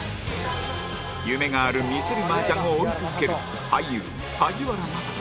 夢がある魅せる麻雀を追い続ける俳優萩原聖人